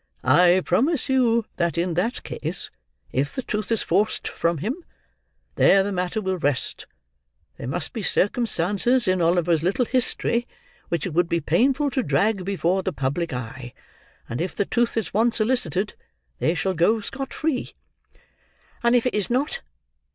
"I promise you that in that case, if the truth is forced from him, there the matter will rest; there must be circumstances in Oliver's little history which it would be painful to drag before the public eye, and if the truth is once elicited, they shall go scot free." "And if it is not?"